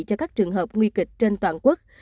cho các trường hợp nguy kịch trên toàn quốc